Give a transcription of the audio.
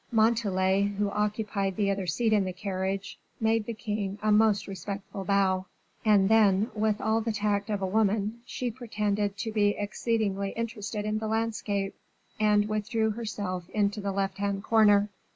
Montalais, who occupied the other seat in the carriage, made the king a most respectful bow. And then, with all the tact of a woman, she pretended to be exceedingly interested in the landscape, and withdrew herself into the left hand corner.